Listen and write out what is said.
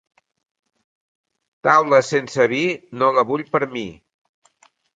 Taula sense vi no la vull per a mi.